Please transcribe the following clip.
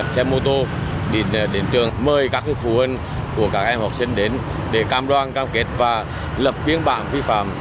xe mô tô đến trường mời các phụ huynh của các em học sinh đến để cam đoan cam kết và lập biên bản vi phạm